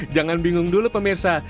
jangan bingung dulu pemirsa